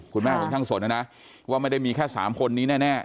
คุณแม่ของช่างสนนะนะว่าไม่ได้มีแค่๓คนนี้แน่